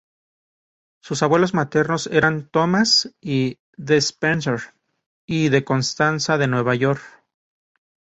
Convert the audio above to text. Sus abuelos maternos eran Thomas le Despenser y de Constanza de York.